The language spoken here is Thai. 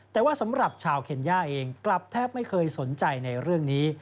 แต่ว่าสำหรับชาวเคนย่าเองกลับแทบไม่เคยสนใจในเรื่องนี้